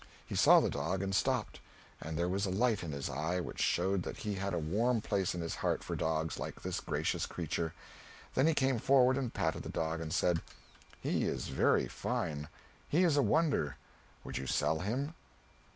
He saw the dog and stopped, and there was a light in his eye which showed that he had a warm place in his heart for dogs like this gracious creature; then he came forward and patted the dog and said, "He is very fine he is a wonder; would you sell him?"